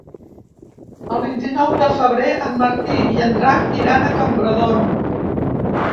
El vint-i-nou de febrer en Martí i en Drac iran a Camprodon.